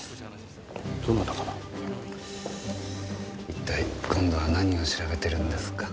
一体今度は何を調べてるんですか？